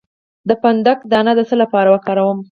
د فندق دانه د څه لپاره وکاروم؟